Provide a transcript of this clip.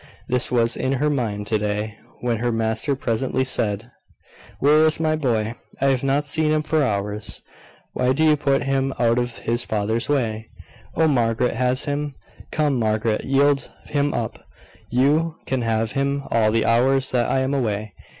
This was in her mind to day, when her master presently said: "Where is my boy? I have not seen him for hours. Why do you put him out of his father's way? Oh, Margaret has him! Come, Margaret, yield him up. You can have him all the hours that I am away.